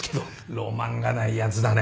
ロマンがないやつだね。